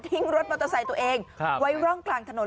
รถมอเตอร์ไซค์ตัวเองไว้ร่องกลางถนน